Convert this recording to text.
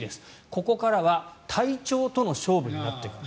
ここからは体調との勝負になってくる。